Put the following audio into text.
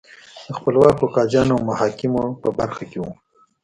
د خپلواکو قاضیانو او محاکمو په برخه کې وو